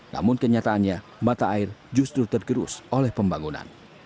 namun kenyataannya mata air justru tergerus oleh pembangunan